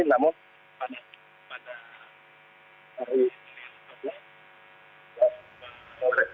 namun pada hari ini